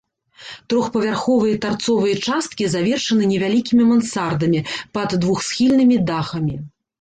Трохпавярховыя тарцовыя часткі завершаны невялікімі мансардамі пад двухсхільнымі дахамі.